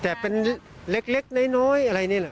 แต่เป็นเล็กน้อยอะไรนี่แหละ